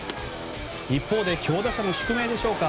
一方で強打者の宿命でしょうか。